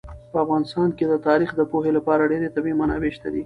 په افغانستان کې د تاریخ د پوهې لپاره ډېرې طبیعي منابع شته دي.